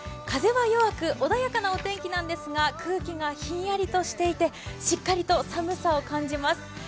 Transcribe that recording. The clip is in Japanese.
風は弱く穏やかなお天気なんですが空気がひんやりとしていて、しっかりと寒さを感じます。